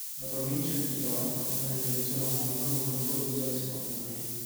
La provincia di Chiloé comprende l'isola omonima e un gruppo di isole secondarie.